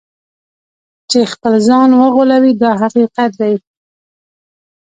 چې خپل ځان وغولوي دا حقیقت دی.